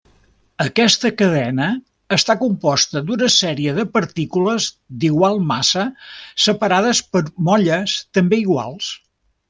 Aquesta cadena està composta d'una sèrie de partícules d'igual massa separades per molles també iguals.